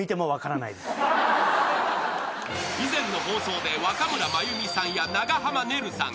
［以前の放送で若村麻由美さんや長濱ねるさん